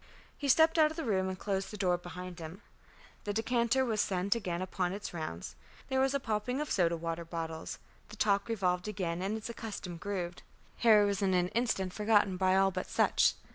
He stepped out of the room and closed the door behind him. The decanter was sent again upon its rounds; there was a popping of soda water bottles; the talk revolved again in its accustomed groove. Harry was in an instant forgotten by all but Sutch.